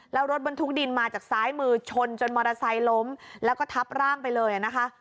แล้วรถบรรทุกดินมาจากซ้ายมือชนจนมอเตอร์ไซค์ล้มแล้วก็ทับร่างไปเลยนะคะ